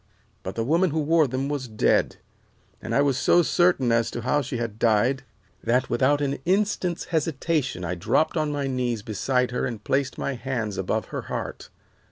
But the woman who wore them was dead, and I was so certain as to how she had died that without an instant's hesitation I dropped on my knees beside her and placed my hands above her heart.